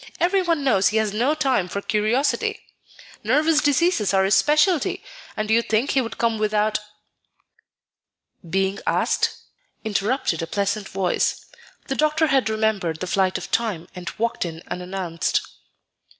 Every one knows he has no time for curiosity. Nervous diseases are his specialty; and do you think he would come without " "Being asked?" interrupted a pleasant voice; the doctor had remembered the flight of time, and walked in unannounced.